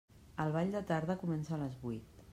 El ball de tarda comença a les vuit.